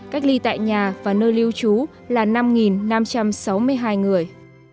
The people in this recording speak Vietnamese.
cách ly tại nhà và nơi lưu trú là năm năm trăm sáu mươi hai người